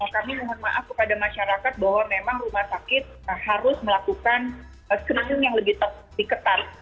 kami mohon maaf kepada masyarakat bahwa memang rumah sakit harus melakukan screening yang lebih ketat